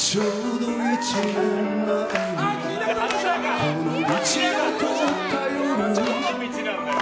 どの道なんだよ。